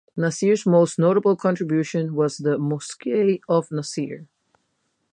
Nasir's most notable contribution was the Mosque of Nasir.